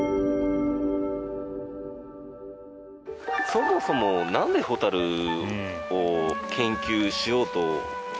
そもそもなんでホタルを研究しようと思ったんですか？